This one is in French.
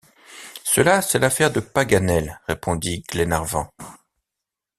Cela, c’est l’affaire de Paganel, répondit Glenarvan.